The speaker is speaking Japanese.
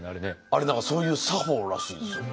あれ何かそういう作法らしいですよ。